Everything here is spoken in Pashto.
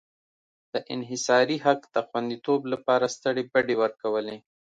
د انحصاري حق د خوندیتوب لپاره سترې بډې ورکولې.